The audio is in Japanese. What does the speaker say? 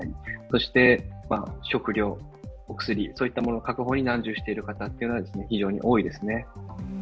そして食料、お薬、そういうものの確保に難渋している方というのは非常に多いですね。